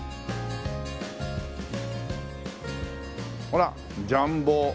ほら「ジャンボ！！